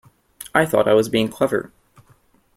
I thought I was being clever.